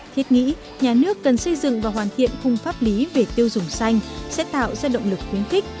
thiết nghĩ nhà nước cần xây dựng và hoàn thiện khung pháp lý về tiêu dùng xanh sẽ tạo ra động lực khuyến khích